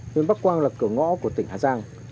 nên bắc quang là cửa ngõ của tỉnh hà giang